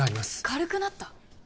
軽くなった？